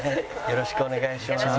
よろしくお願いします。